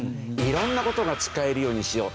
色んな事が使えるようにしよう。